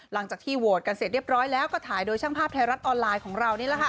หลังจากที่โหวตกันเสร็จเรียบร้อยแล้วก็ถ่ายโดยช่างภาพไทยรัฐออนไลน์ของเรานี่แหละค่ะ